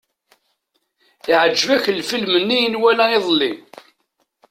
Iɛǧeb-ak lfilm-nni i nwala iḍelli.